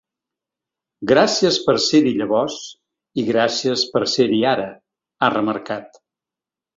Gràcies per ser-hi llavors i gràcies per ser-hi ara, ha remarcat.